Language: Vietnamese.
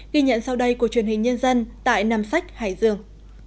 ghi nhận sau đây của truyền hình nhân dân tại nam sách hải dương